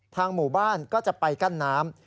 หมู่บ้านก็จะไปกั้นน้ำ